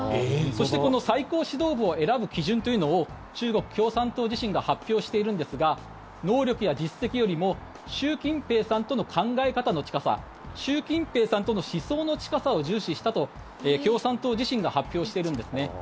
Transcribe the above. そして、この最高指導部を選ぶ基準というのを中国共産党自身が発表しているんですが能力や実績よりも習近平さんとの考え方の近さ習近平さんとの思想の近さを重視したと共産党自身が発表しているんですね。